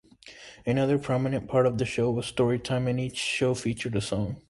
Another prominent part of the show was story-time and each show featured a song.